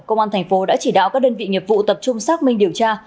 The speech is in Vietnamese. công an thành phố đã chỉ đạo các đơn vị nghiệp vụ tập trung xác minh điều tra